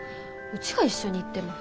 うちが一緒に行っても。